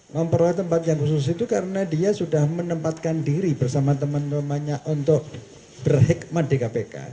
memperoleh tempat yang khusus itu karena dia sudah menempatkan diri bersama teman temannya untuk berhikmat di kpk